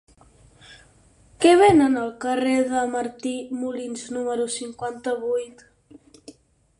Què venen al carrer de Martí Molins número cinquanta-vuit?